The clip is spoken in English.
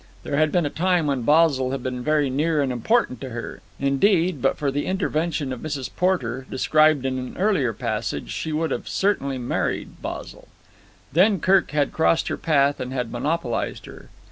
There had been a time when Basil had been very near and important to her. Indeed, but for the intervention of Mrs. Porter, described in an earlier passage, she would certainly have married Basil. Then Kirk had crossed her path and had monopolized her.